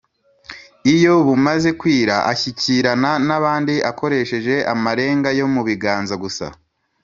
Iyo bumaze kwira ashyikirana n’abandi akoresheje amarenga yo mu biganza gusa